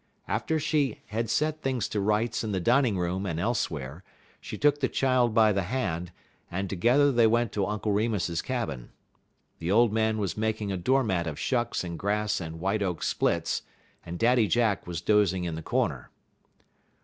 After she had set things to rights in the dining room and elsewhere, she took the child by the hand, and together they went to Uncle Remus's cabin. The old man was making a door mat of shucks and grass and white oak splits, and Daddy Jack was dozing in the corner.